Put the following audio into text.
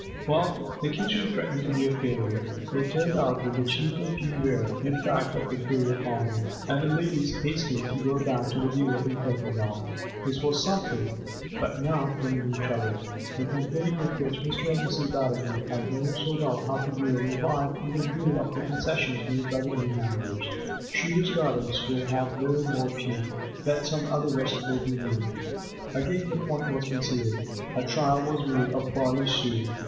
Well, the kitchen threatened to be a failure. It turned out that the cheaper peas were, in fact, of inferior quality, and the ladies hastened to go back to the dealer in Clerkenwell. This was something, but now came a new trouble; the complaint with which Mr. and Mrs. Batterby had known so well how to deal revived in view of the concessions made by the new managers. Shooter's Gardens would have no more peas; let some other vegetable be used. Again the point was conceded; a trial was made of barley soup.